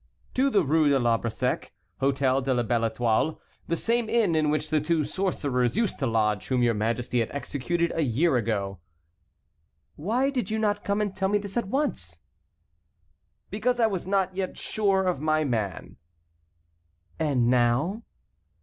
"To the Rue de l'Arbre Sec, Hôtel de la Belle Étoile, the same inn in which the two sorcerers used to lodge whom your majesty had executed a year ago." "Why did you not come and tell me this at once?" "Because I was not yet sure of my man." "And now?"